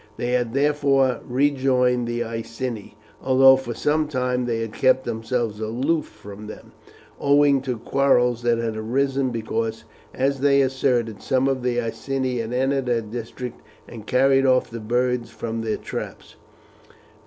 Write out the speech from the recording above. They had therefore rejoined the Iceni, although for some time they had kept themselves aloof from them, owing to quarrels that had arisen because, as they asserted, some of the Iceni had entered their district and carried off the birds from their traps.